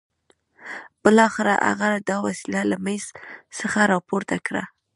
بالاخره هغه دا وسيله له مېز څخه راپورته کړه.